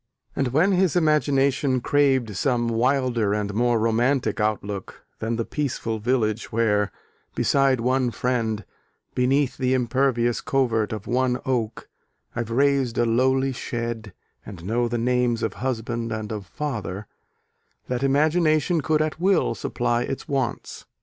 And when his imagination craved some wilder and more romantic outlook than the peaceful village where, beside one friend, Beneath the impervious covert of one oak, I've raised a lowly shed, and know the names Of Husband and of Father, that imagination could at will supply its wants.